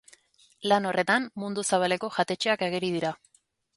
Lan horretan, mundu zabaleko jatetxeak ageri dira.